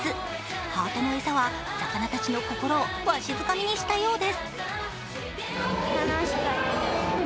ハートの餌は魚たちの心をわしづかみにしたようです。